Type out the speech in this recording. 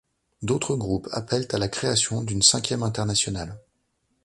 D'autres groupes appellent à la création d'une Cinquième Internationale.